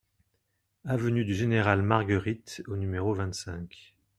Avenue du Général Margueritte au numéro vingt-cinq